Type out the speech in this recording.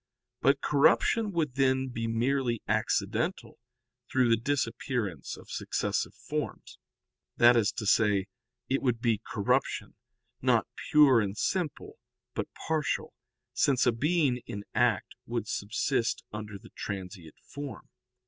But corruption would then be merely accidental through the disappearance of successive forms that is to say, it would be corruption, not pure and simple, but partial, since a being in act would subsist under the transient form.